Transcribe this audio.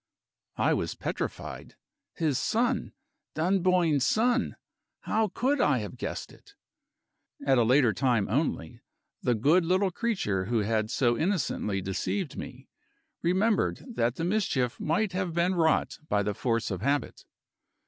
I was petrified. His son! Dunboyne's son! How could I have guessed it? At a later time only, the good little creature who had so innocently deceived me, remembered that the mischief might have been wrought by the force of habit.